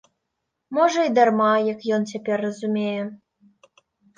Можа, і дарма, як ён цяпер разумее.